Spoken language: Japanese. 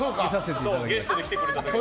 ゲストで来てくれた時の。